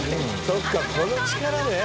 そうかこの力で。